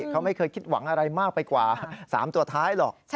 เขาไม่เคยคิดหวังอะไรมากไปกว่า๓ตัวท้ายหรอก